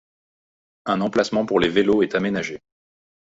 Un emplacement pour les vélos est aménagé.